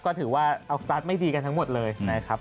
ก็ถือว่าเอาสตาร์ทไม่ดีกันทั้งหมดเลยนะครับ